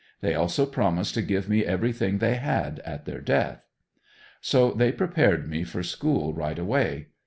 They also promised to give me everything they had at their death. So they prepared me for school right away.